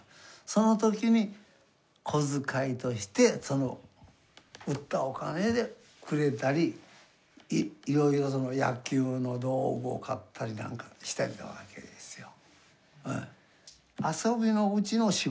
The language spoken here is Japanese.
その時に小遣いとしてその売ったお金でくれたりいろいろ野球の道具を買ったりなんかしてたわけですよ。